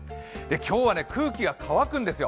今日は空気が乾くんですよ。